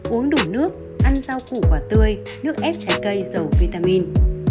uống đủ nước ăn rau củ quả tươi nước s trái cây dầu vitamin